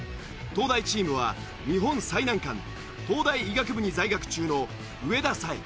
東大チームは日本最難関東大医学部に在学中の上田彩瑛。